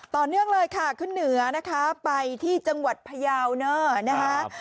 ต่อเนื่องค่ะขึ้นเหนือนะครับไปที่จังหวัดพยาวเนิ่าร์